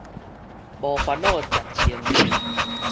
無煩惱食穿